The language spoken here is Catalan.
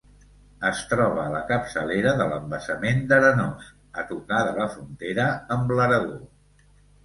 Es troba a la capçalera de l'embassament d'Arenós, a tocar de la frontera amb l'Aragó.